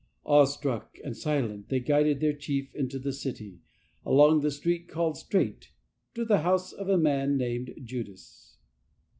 Awestruck and silent they guided their chief into the city, along the street called "Strait" to the house of a man named Judas.